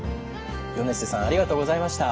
米瀬さんありがとうございました。